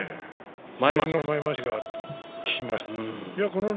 この前まわしが効きましたね。